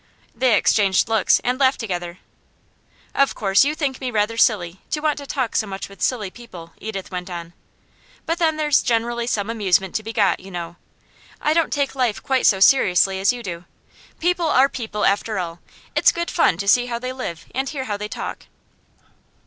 They exchanged looks, and laughed together. 'Of course you think me rather silly to want to talk so much with silly people,' Edith went on. 'But then there's generally some amusement to be got, you know. I don't take life quite so seriously as you do. People are people, after all; it's good fun to see how they live and hear how they talk.